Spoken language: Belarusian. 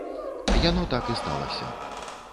Яно так і сталася.